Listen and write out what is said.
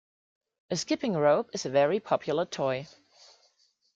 A skipping rope is a very popular toy